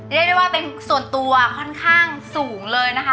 เรียกได้ว่าเป็นส่วนตัวค่อนข้างสูงเลยนะคะ